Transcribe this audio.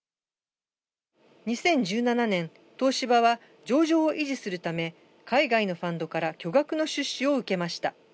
２０１７年、東芝は上場を維持するため海外のファンドから巨額の出資を受けました。